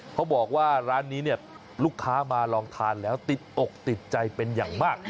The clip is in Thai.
เขาบอกว่าร้านนี้เนี่ยลูกค้ามาลองทานแล้วติดอกติดใจเป็นอย่างมาก